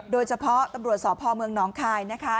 โดยเฉพาะตำรวจสพเมืองหนองคายนะคะ